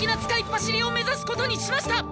パシリを目指すことにしました！